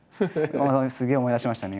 すげえ思い出しましたね